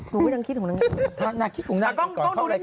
คุณไม่รู้อยู่กับว่าง่าย